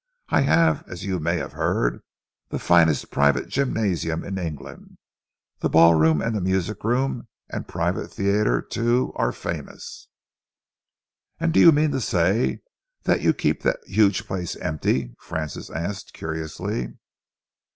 I have, as you may have heard, the finest private gymnasium in England. The ballroom and music room and private theatre, too, are famous." "And do you mean to say that you keep that huge place empty?" Francis asked curiously.